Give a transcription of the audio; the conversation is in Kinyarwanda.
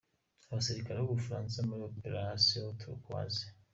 Abasirikare b’u Bufaransa muri Operation Turquoise